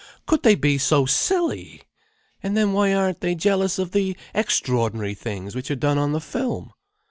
"Could they be so silly! And then why aren't they jealous of the extraordinary things which are done on the film?"